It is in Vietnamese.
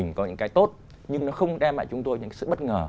những cái tốt nhưng nó không đem lại chúng tôi những sự bất ngờ